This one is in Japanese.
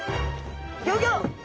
ギョギョ！